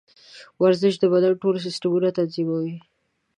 ورزش د بدن ټول سیسټمونه تنظیموي.